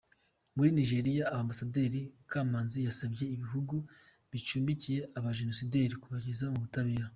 Muri Nigeria, Ambasaderi Kamanzi yasabye ibihugu bicumbikiye abajenosideri kubageza mu butabera.